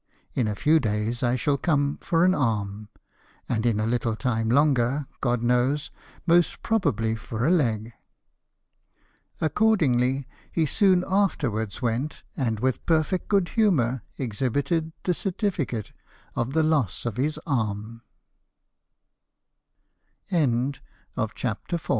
In a few days I shall come for an arm ; and in a little time longer, God knows, most probably for a leg." Accordingly he soon afterwards went, and with per fect good humour exhibited the certificate of the loss of